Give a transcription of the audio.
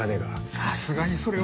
さすがにそれは。